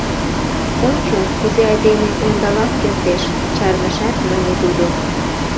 — Ончо, кузе айдеме ондалалт кертеш, — чарнышат, мане тудо.